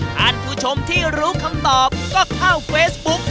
ท่านผู้ชมที่รู้คำตอบก็เข้าเฟซบุ๊ก